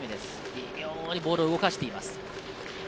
微妙にボールを動かしています。